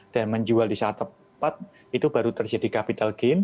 dan menjual di saat tepat itu baru terjadi capital gain